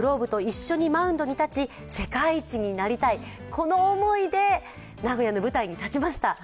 この思いで名古屋の舞台に立ちました。